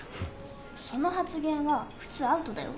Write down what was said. その発言は普通アウトだよ。